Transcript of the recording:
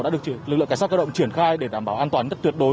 đã được lực lượng cảnh sát cơ động triển khai để đảm bảo an toàn rất tuyệt đối